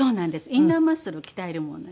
インナーマッスルを鍛えるものなんです。